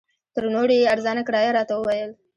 تر نورو یې ارزانه کرایه راته وویل.